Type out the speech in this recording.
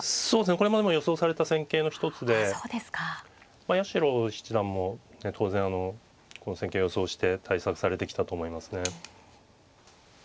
これも予想された戦型の一つで八代七段も当然この戦型を予想して対策されてきたと思いますね。